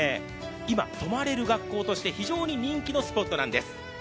今泊まれる学校として非常に人気のスポットなんです。